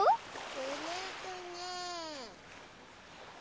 くねくね。